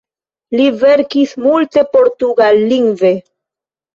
Li verkis multe portugallingve.